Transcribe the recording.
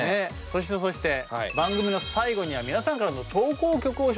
そしてそして番組の最後には皆さんからの投稿曲を紹介します